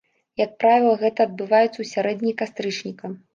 Як правіла, гэта адбываецца ў сярэдзіне кастрычніка.